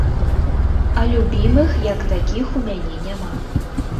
А любімых як такіх у мяне няма.